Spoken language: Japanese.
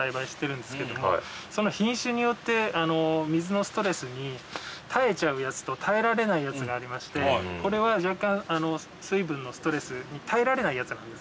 品種によって水のストレスに耐えちゃうやつと耐えられないやつがありましてこれは若干水分のストレスに耐えられないやつなんですね。